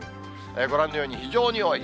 ご覧のように非常に多い。